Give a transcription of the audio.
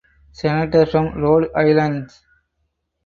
Senator from Rhode Island.